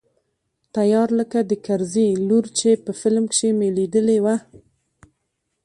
تيار لکه د کرزي لور چې په فلم کښې مې ليدلې وه.